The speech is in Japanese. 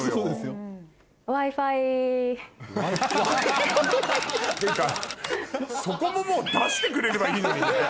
えっ！っていうかそこももう出してくれればいいのにね。